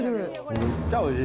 めっちゃおいしい！